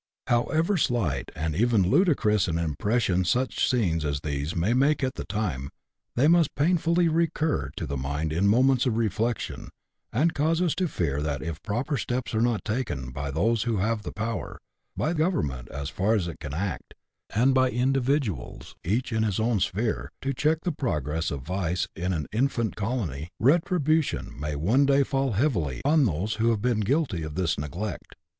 However slight, and even ludicrous an impression such scenes as these may make at the time, they must painfully recur to the mind in moments of reflection, and cause us to fear that if proper steps are not taken by those who have the power, by Government as far as it can act, and by individuals each in his own sphere, to check the progress of vice in an infant colony, retribution may one day fall heavily on those who have been guilty of this neglect.